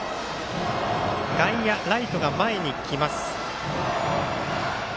外野、ライトが前に来ます。